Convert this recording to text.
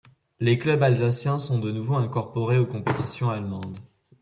Les clubs alsaciens sont de nouveau incorporés aux compétitions allemandes.